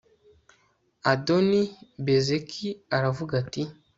adoni bezeki aravuga ati